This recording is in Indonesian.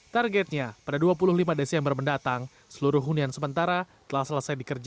targetnya pada dua puluh lima desi yang berpendatang seluruh hunian sementara telah selesai